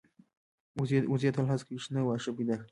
وزې تل هڅه کوي چې شنه واښه پیدا کړي